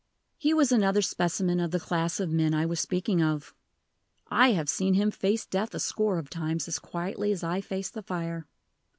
"He was another specimen of the class of men I was speaking of. I have seen him face death a score of times as quietly as I face the fire.